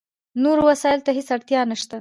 نورو وسایلو ته هېڅ اړتیا نشته.